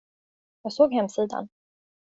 Jag såg hemsidan.